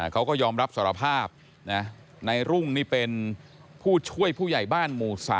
เขาก็ยอมรับสารภาพนายรุ่งนี่เป็นผู้ช่วยผู้ใหญ่บ้านหมู่๓